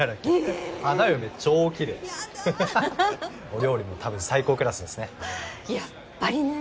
お料理も多分最高クラスですねあれは。